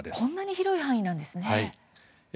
こんなに広い範囲なんですね。